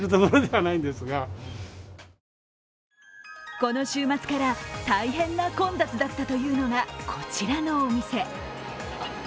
この週末から大変な混雑だったというのが、こちらのお店。